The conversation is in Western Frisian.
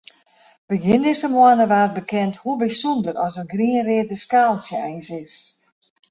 Begjin dizze moanne waard bekend hoe bysûnder as it grien-reade skaaltsje eins is.